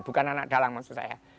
bukan anak dalang maksud saya